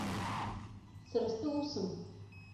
Сара стәы усым.